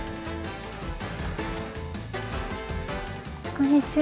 こんにちは。